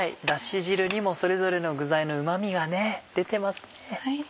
ダシ汁にもそれぞれの具材のうま味が出てますね。